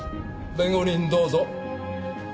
弁護人どうぞ。